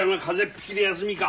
ぴきで休みか。